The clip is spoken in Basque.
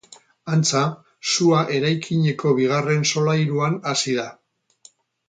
Antza, sua eraikineko bigarren solairuan hasi da.